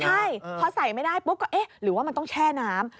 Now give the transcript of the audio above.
ใช่พอใส่ไม่ได้ปุ๊บก็เอ๊ะหรือว่ามันต้องแช่น้ำ